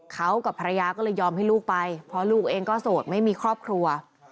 เขากับภรรยาก็เลยยอมให้ลูกไปเพราะลูกเองก็โสดไม่มีครอบครัว